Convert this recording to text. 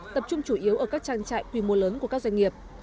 tập trung chủ yếu ở các trang trại quy mô lớn của các doanh nghiệp